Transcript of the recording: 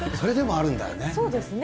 そうですね。